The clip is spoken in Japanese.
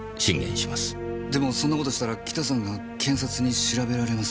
でもそんな事したらキタさんが検察に調べられます。